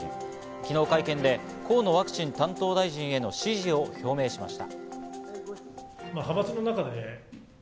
昨日会見で河野ワクチン担当大臣への支持を表明しました。